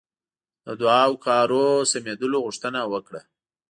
د دعا او کارونو سمېدلو غوښتنه وکړه.